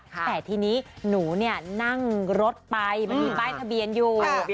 แต่ทีนี้หนูนั่งรถไปมันมีป้ายทะเบียนอยู่